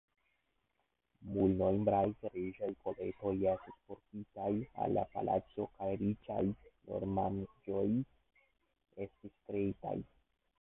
Multnombraj reĝaj kolektoj estis portitaj al la palaco kaj riĉaj ornamaĵoj estis kreitaj.